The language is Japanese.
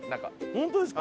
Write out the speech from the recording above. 本当ですか？